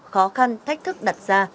khó khăn thách thức đặt ra